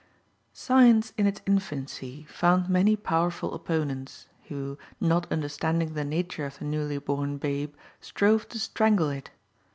Science in its infancy found many powerful opponents, who, not understanding the nature of the newly born babe, strove to strangle it.